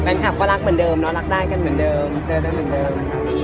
แฟนคลับก็รักเหมือนเดิมเนาะรักได้กันเหมือนเดิมเจอได้เหมือนเดิม